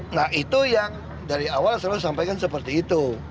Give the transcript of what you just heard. nah itu yang dari awal selalu sampaikan seperti itu